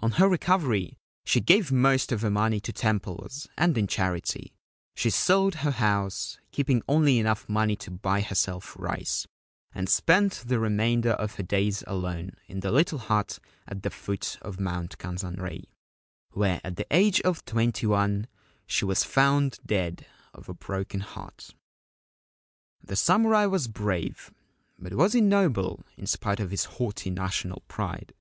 On her recovery she gave most of her money to temples, and in charity ; she sold her house, keeping only enough money to buy herself rice, and spent the remainder of her days alone in the little hut at the foot of Mount Kenzanrei, where at the age of twenty one she was found dead of a broken heart. The samurai was brave ; but was he noble in spite of his haughty national pride